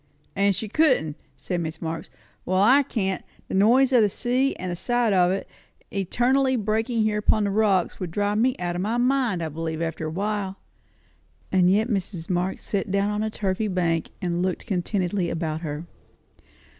"And she couldn't!" said Mrs. Marx. "Well, I can't. The noise of the sea, and the sight of it, eternally breaking there upon the rocks, would drive me out of my mind, I believe, after a while." And yet Mrs. Marx sat down upon a turfy bank and looked contentedly about her.